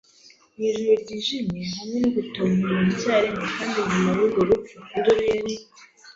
mwijuru ryijimye, hamwe no gutontoma icyarimwe; kandi nyuma yurwo rupfu induru yari